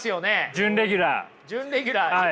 準レギュラー。